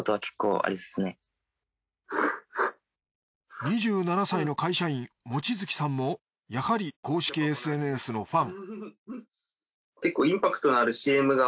２７歳の会社員望月さんもやはり公式ＳＮＳのファン